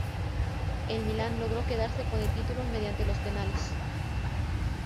El Milan logró quedarse con el título mediante los penales.